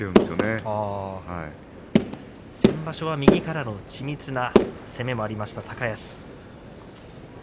先場所は右からの緻密な攻めもありました高安です。